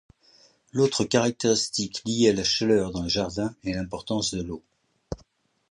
L'autre caractéristique liée à la chaleur dans les jardins est l'importance de l'eau.